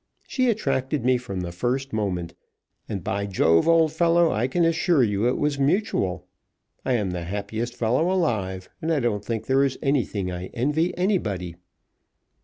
She attracted me from the first moment; and, by Jove, old fellow, I can assure you it was mutual. I am the happiest fellow alive, and I don't think there is anything I envy anybody."